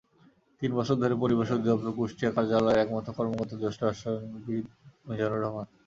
তিন বছর ধরে পরিবেশ অধিদপ্তর কুষ্টিয়া কার্যালয়ের একমাত্র কর্মকর্তা জ্যেষ্ঠ রসায়নবিদ মিজানুর রহমান।